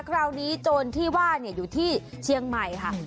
คราวนี้โจรที่ว่าอยู่ที่เชียงใหม่ค่ะ